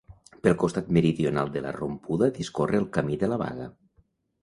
Pel costat meridional de la Rompuda discorre el Camí de la Baga.